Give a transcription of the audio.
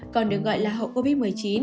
còn được gọi là hậu covid một mươi chín